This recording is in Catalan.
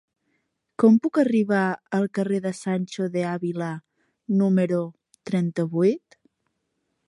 Com puc arribar al carrer de Sancho de Ávila número trenta-vuit?